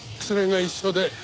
連れが一緒で。